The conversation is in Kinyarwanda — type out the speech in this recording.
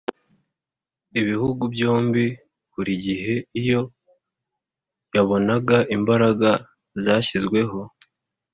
ibihugu byombi, buri gihe iyo yabonaga imbaraga zashyizweho